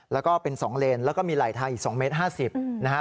แล้วก็เป็น๒เลนแล้วก็มีไหล่ทางอีก๒๕๐เมตร